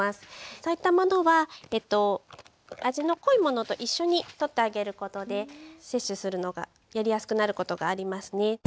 そういったものは味の濃いものと一緒にとってあげることで摂取するのがやりやすくなることがありますね。